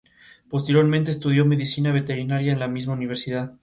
Posteriormente estudió medicina veterinaria en la misma universidad.